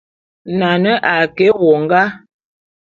Nane a ke éwongá.